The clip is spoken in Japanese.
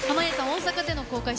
大阪での公開